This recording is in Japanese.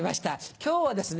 今日はですね